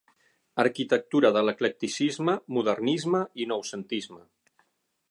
Arquitectura de l'eclecticisme, modernisme i noucentisme.